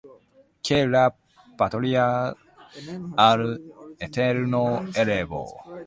Que la patria al Eterno elevó.